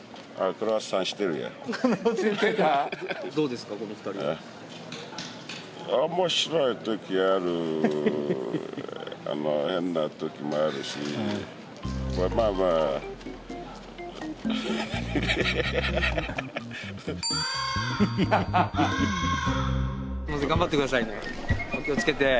すみません頑張ってくださいねお気をつけて。